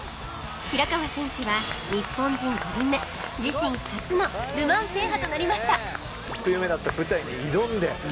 平川選手は日本人５人目自身初のル・マン制覇となりました